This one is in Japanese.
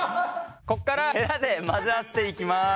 ここからヘラで混ぜ合わせていきます。